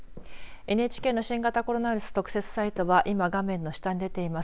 ＮＨＫの新型コロナウイルス特設サイトは今、画面の下に出ています